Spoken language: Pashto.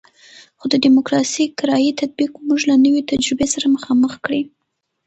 خو د ډیموکراسي کرایي تطبیق موږ له نوې تجربې سره مخامخ کړی.